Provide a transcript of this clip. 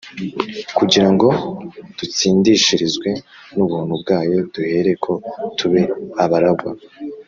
kugira ngo dutsindishirizwe n’ubuntu bwayo duhereko tube abaragwa